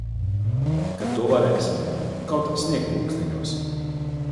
Kad to varēs. Kaut sniegpulksteņos.